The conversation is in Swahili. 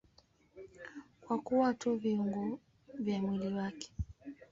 Kwa kuwa tu viungo vya mwili wake.